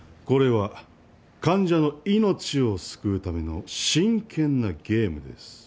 これは患者の命を救うための真剣なゲームです。